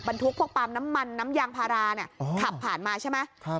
ทุกพวกปาล์มน้ำมันน้ำยางพาราขับผ่านมาใช่ไหม